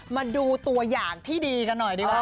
มาดูตัวอย่างที่ดีกันหน่อยดีกว่า